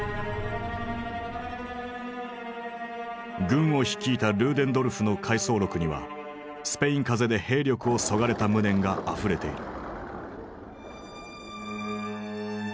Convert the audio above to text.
軍を率いたルーデンドルフの回想録にはスペイン風邪で兵力をそがれた無念があふれている。